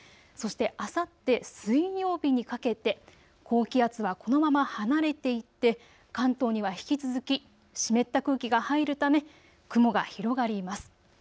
そして、あさって水曜日にかけて高気圧はこのまま離れていって関東には引き続き湿った空気が入るため雲が広がります。